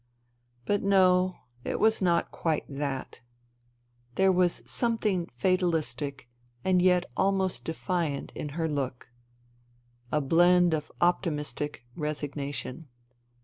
But no ; it was not quite that. There was something fatalistic, and yet almost defiant, in her look. A blend of optimistic resignation.